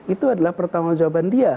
itu adalah pertanggung jawaban dia